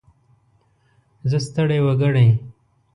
زه ستړی وګړی.